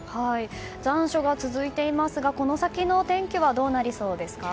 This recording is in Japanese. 残暑が続いていますがこの先のお天気はどうなりそうですか？